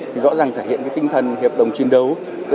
thì rõ ràng thể hiện cái tinh thần hiệp đồng chiến đấu